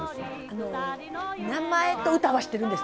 名前と歌は知ってるんです